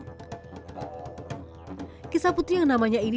kisah putri yang namanya ini diambil oleh kisah putri yang namanya ini